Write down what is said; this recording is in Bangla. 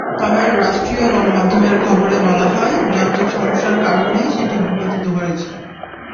তবে রাষ্ট্রীয় গণমাধ্যমের খবরে বলা হয়, যান্ত্রিক সমস্যার কারণেই সেটি ভূপাতিত হয়েছে।